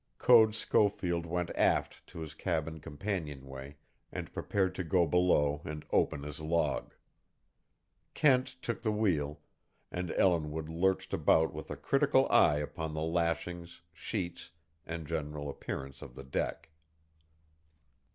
Code Schofield went aft to his cabin companionway, and prepared to go below and open his log. Kent took the wheel, and Ellinwood lurched about with a critical eye upon the lashings, sheets, and general appearance of the deck.